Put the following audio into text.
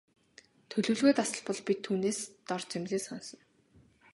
Төлөвлөгөө тасалбал бид түүнээс дор зэмлэл сонсоно.